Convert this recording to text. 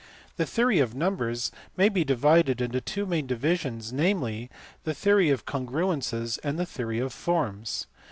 The theory of numbers may be divided into two main divisions, namely, the theory of congruences and the theory of forms.